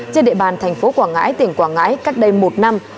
trên địa bàn tp quảng ngãi tỉnh quảng ngãi cách đây một năm